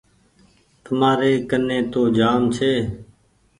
تمآري ڪني تو جآم ڇي۔